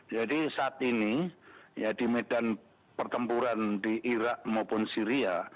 jadi saat ini di medan pertempuran di irak maupun syria